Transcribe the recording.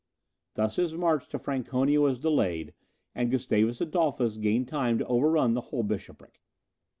Thus his march to Franconia was delayed, and Gustavus Adolphus gained time to overrun the whole bishopric.